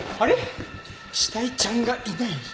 死体ちゃんがいない。